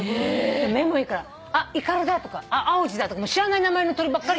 目もいいから「イカルだ」とか「アオジだ」とか知らない名前の鳥ばっかり。